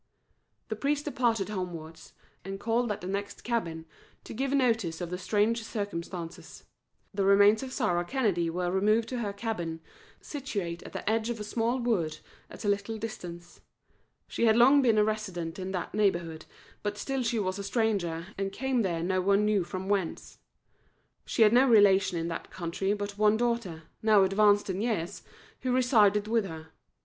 The priest departed homewards, and called at the next cabin to give notice of the strange circumstances. The remains of Sarah Kennedy were removed to her cabin, situate at the edge of a small wood at a little distance. She had long been a resident in that neighbourhood, but still she was a stranger, and came there no one knew from whence. She had no relation in that country but one daughter, now advanced in years, who resided with her.